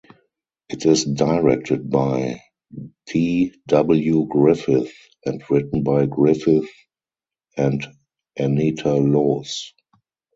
It is directed by D. W. Griffith and written by Griffith and Anita Loos.